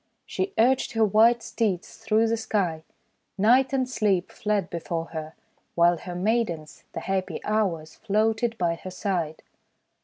She urged her white steeds through the Sky. Night and Sleep fled before her, while her maidens, the happy Hours, floated by her side.